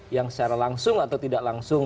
yang secara langsung atau tidak langsung